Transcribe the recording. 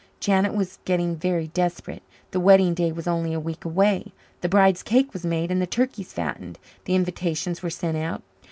Janet was getting very desperate. The wedding day was only a week away. The bride's cake was made and the turkeys fattened. The invitations were sent out.